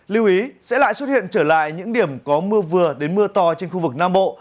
lưu ý sẽ lại xuất hiện trở lại những điểm có mưa vừa đến mưa to trên khu vực nam bộ